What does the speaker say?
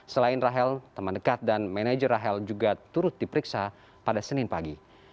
selain rahel teman dekat dan manajer rahel juga turut diperiksa pada senin pagi